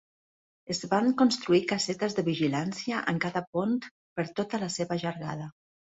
Es van construir casetes de vigilància en cada pont per tota la seva llargada.